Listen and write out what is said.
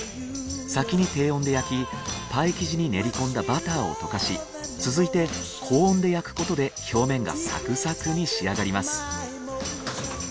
先に低温で焼きパイ生地に練り込んだバターを溶かし続いて高温で焼くことで表面がサクサクに仕上がります。